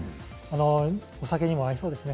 お酒にも合いそうですね